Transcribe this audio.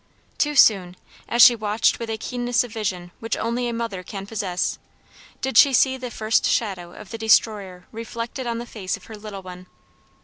Too soon, as she watched with a keenness of vision which only a mother can possess, did she see the first shadow of the destroyer reflected on the face of her little one.